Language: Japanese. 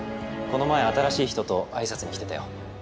この前新しい人と挨拶に来てたよ。